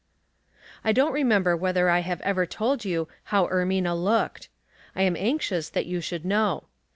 1 don't remember whether I have ever told you how Er mina looked. I am anxious that you should know.